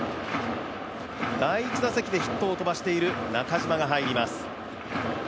第１打席でヒットを飛ばしている中島が入ります。